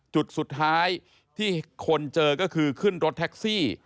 จุดสุดท้ายที่คนเจอก็คือขึ้นรถแท็กซี่